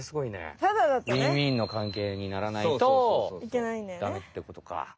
ウィンウィンの関係にならないとダメってことか。